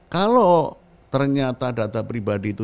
kalau ternyata data pribadi itu